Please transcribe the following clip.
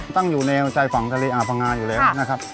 ตั้งอยู่ในใจฝั่งทะเลอาบพังงาอยู่แล้วนะครับ